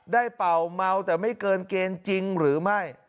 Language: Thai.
เป่าเมาแต่ไม่เกินเกณฑ์จริงหรือไม่